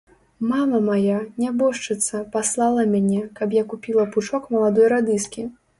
Мама мая, нябожчыца, паслала мяне, каб я купіла пучок маладой радыскі.